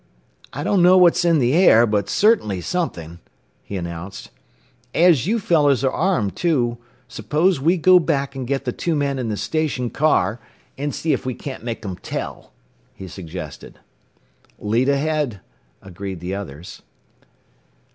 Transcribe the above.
"I don't know what's in the air, but certainly something," he announced. "As you fellows are armed too, suppose we go back and get the two men in the station car, and see if we can't make them tell?" he suggested. "Lead ahead," agreed the others.